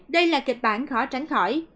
đây là kịch bản khó tránh khỏi